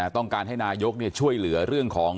ต้องการให้นายกช่วยเหลือเรื่องของ